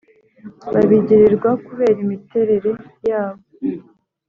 babigirirwa kubera imiterere yabo.